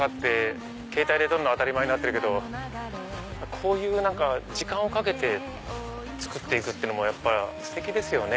ケータイで撮るの当たり前になってるけどこういう時間をかけてつくっていくのもステキですね。